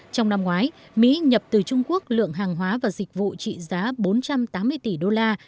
trong năm ngoái mỹ nhập từ trung quốc lượng hàng hóa và dịch vụ trị giá bốn trăm tám mươi tỷ đô la